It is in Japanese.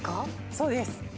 そうです